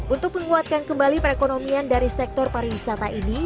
untuk menguatkan kembali perekonomian dari sektor pariwisata ini